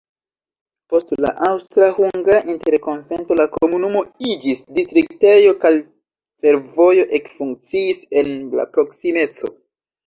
Post la Aŭstra-hungara interkonsento la komunumo iĝis distriktejo kaj fervojo ekfunkciis en la proksimeco.